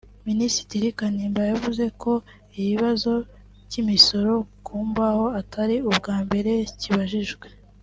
Minisitiri Kanimba yavuze ko ikibazo cy’imisoro ku mbaho atari ubwa mbere kibajijwe